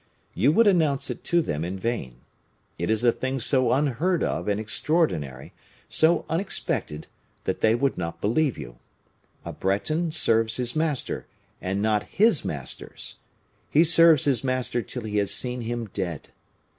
You would announce it to them in vain. It is a thing so unheard of and extraordinary, so unexpected, that they would not believe you. A Breton serves his master, and not his masters; he serves his master till he has seen him dead.